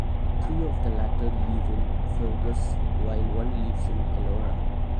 Three of the latter live in Fergus while one lives in Elora.